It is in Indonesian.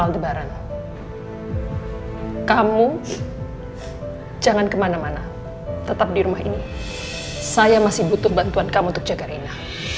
kamu jangan kemana mana tetap di rumah ini saya masih butuh bantuan kamu untuk jaga rina